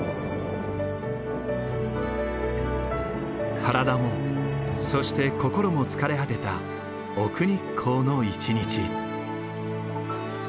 体もそして心も疲れ果てた奥日光の一日。